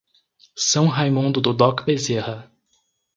São Raimundo do Doca Bezerra